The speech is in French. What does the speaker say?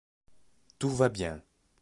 tout va bien.